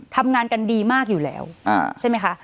ทำงานกันดีมากอยู่แล้วใช่ไหมคะ